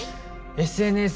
ＳＮＳ